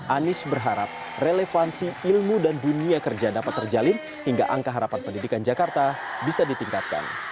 anies berharap relevansi ilmu dan dunia kerja dapat terjalin hingga angka harapan pendidikan jakarta bisa ditingkatkan